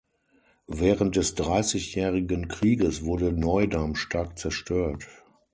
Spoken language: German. Während des Dreißigjährigen Krieges wurde Neudamm stark zerstört.